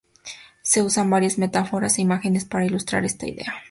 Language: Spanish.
Se usan varias metáforas e imágenes para ilustrar esta idea.